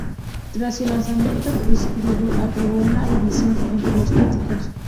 Tras su lanzamiento, "Psycho Circus" provocó una división entre los críticos.